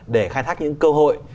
để khai thác những cơ hội